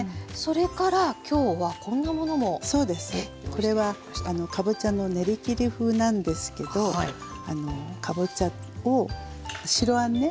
これはかぼちゃの練りきり風なんですけどかぼちゃを白あんね